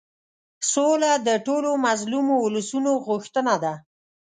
سوله د ټولو مظلومو اولسونو غوښتنه ده.